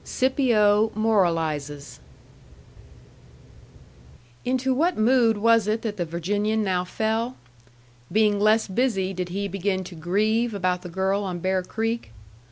XVII. SCIPIO MORALIZES Into what mood was it that the Virginian now fell? Being less busy, did he begin to "grieve" about the girl on Bear Creek?